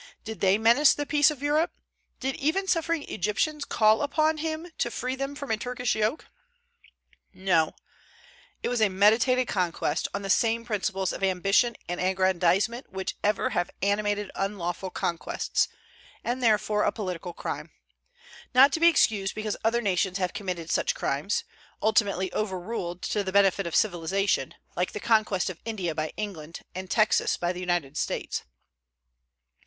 Did they menace the peace of Europe? Did even suffering Egyptians call upon him to free them from a Turkish yoke? No: it was a meditated conquest, on the same principles of ambition and aggrandizement which ever have animated unlawful conquests, and therefore a political crime; not to be excused because other nations have committed such crimes, ultimately overruled to the benefit of civilization, like the conquest of India by England, and Texas by the United States.